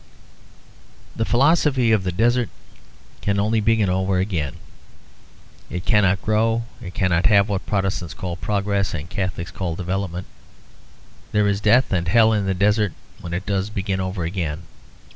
The philosophy of the desert can only begin over again. It cannot grow; it cannot have what Protestants call progress and Catholics call development. There is death and hell in the desert when it does begin over again.